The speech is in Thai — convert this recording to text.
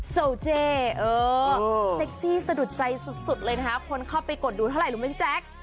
โซเจเออเซ็กซี่สะดุดใจสุดสุดเลยนะครับคนเข้าไปกดดูเท่าไหร่หรือไม่จั๊ก